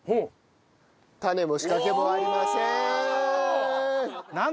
種も仕掛けもありませーん！